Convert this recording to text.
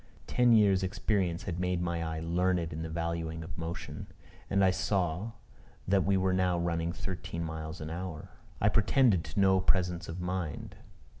Ten years' experience had made my eye learned in the valuing of motion; and I saw that we were now running thirteen miles an hour. I pretend to no presence of mind.